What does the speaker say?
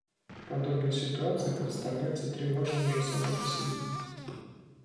Подобная ситуация представляется тревожной уже сама по себе.